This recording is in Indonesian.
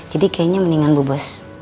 jadi kayaknya mendingan bu bos